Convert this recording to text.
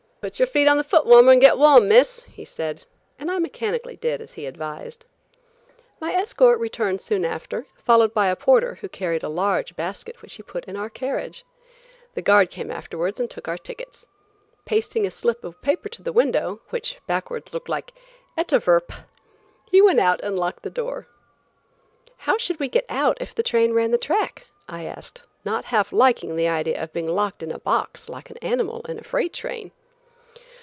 "Put your feet on the foot warmer and get warm, Miss," he said, and I mechanically did as he advised. My escort returned soon after, followed by a porter who carried a large basket which he put in our carriage. The guard came afterwards and took our tickets. Pasting a slip of paper on the window, which backwards looked like "etavirP," he went out and locked the door. "How should we get out if the train ran the track?" I asked, not half liking the idea of being locked in a box like an animal in a freight train.